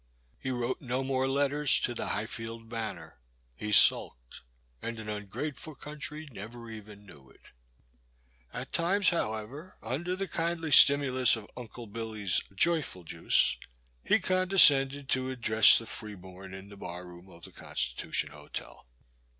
He wrote no more letters to the High field Banner^ he sulked, and an ungratefrd coun try never even knew it At times, however, under the kindly stimulus of Uncle Billy's '* j'y full juice, he condescended to address the free bom in the bar room of the Constitution Hotel.